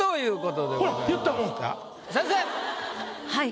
はい。